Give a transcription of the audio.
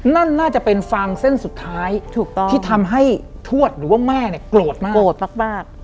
นั่นน่าจะเป็นฟางเส้นสุดท้ายถูกต้องที่ทำให้ทวดหรือว่าแม่เนี่ยโกรธมากโกรธมาก